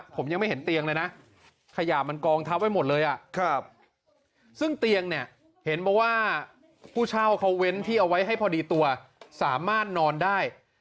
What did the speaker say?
ผมยังไม่เห็นเตียงเลยนะขยะมันกองทับไว้หมดเลยซึ่งเตียงเนี่ยเห็นบอกว่าผู้เช่าเขาเว้นที่เอาไว้ให้พอดีตัวสามารถนอนได้